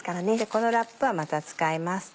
このラップはまた使います。